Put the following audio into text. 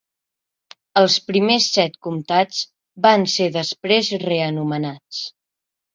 Els primers set comtats van ser després reanomenats.